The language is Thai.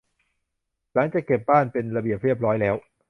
หลังจากเก็บบ้านเป็นระเบียบเรียบร้อยแล้ว